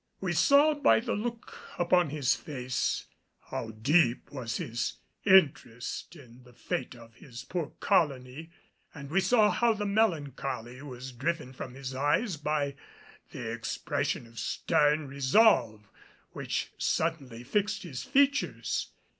We saw by the look upon his face how deep was his interest in the fate of his poor colony, and we saw how the melancholy was driven from his eyes by the expression of stern resolve which suddenly fixed his features.